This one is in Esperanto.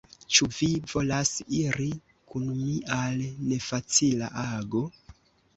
Ĉu vi volas iri kun mi al nefacila ago?